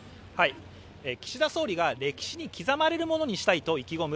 岸田総理が歴史に刻まれるものにしたいと意気込む